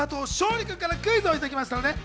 君からクイズをいただきました。